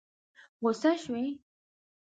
غوسه شوې؟